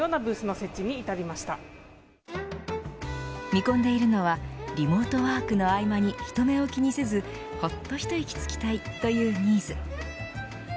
見込んでいるのはリモートワークの合間に人目を気にせずほっと一息つきたいというニーズ。